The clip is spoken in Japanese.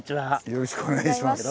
よろしくお願いします。